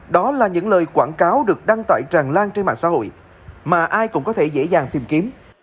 đó là những lời quảng cáo được đăng tải tràn lan trên mạng xã hội mà ai cũng có thể dễ dàng tìm kiếm